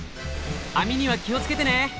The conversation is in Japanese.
網には気を付けてね。